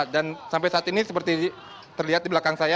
dan sampai saat ini seperti terlihat di belakang saya